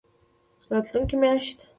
راتلونکې میاشت